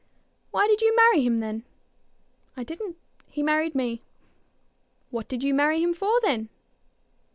"Why did you marry him then?" "I didn't. He married me." "What did you marry him for then?"